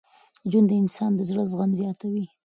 ژوند د انسان د زړه زغم زیاتوي.